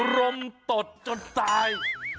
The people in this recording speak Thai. รมตดจนตาย